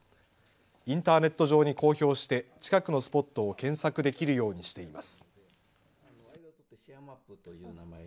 インターネット上に公表して近くのスポットを検索できるようにしています。